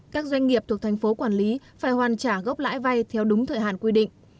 các doanh nghiệp thuộc tp hcm phải hoàn trả gốc lãi vay theo đúng thời hạn quy định